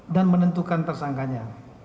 dan menentukan tersangkanya